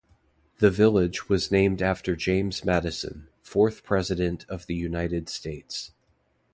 The village was named after James Madison, fourth President of the United States.